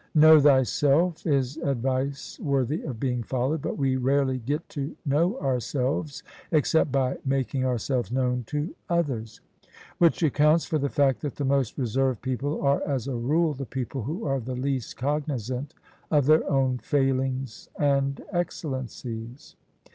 " Know thyself " is advice worthy of being followed : but we rarely get to know ourselves except by making ourselves known to others : which accounts for the fact that the most reserved people are as a rule the people who are the least cognisant of their own failings and excellencies.